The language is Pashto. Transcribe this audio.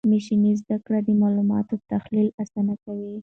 ماشین زده کړه د معلوماتو تحلیل آسانه کوي.